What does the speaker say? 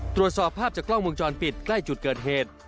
ตรวจสอบภาพจากกล้องวงจรปิดใกล้จุดเกิดเหตุ